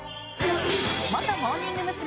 元モーニング娘。